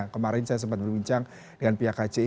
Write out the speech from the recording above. kemarin saya sempat berbincang dengan pihak kci